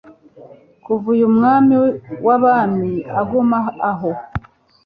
kuva uyu Mwami w'abami aguma aho